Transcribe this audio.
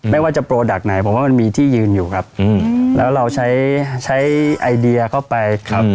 ไม่ว่าจะโปรดักต์ไหนผมว่ามันมีที่ยืนอยู่ครับแล้วเราใช้ใช้ไอเดียเข้าไปครับ